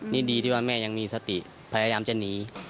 นี่ดีที่ว่าแม่ยังมีสติพยายามจะหนี